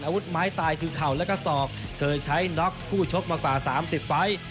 อาวุธไม้ตายคือเข่าแล้วก็ศอกเคยใช้น็อกคู่ชกมากว่า๓๐ไฟล์